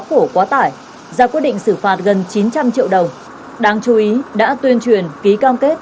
phổ quá tải ra quyết định xử phạt gần chín trăm linh triệu đồng đáng chú ý đã tuyên truyền ký cam kết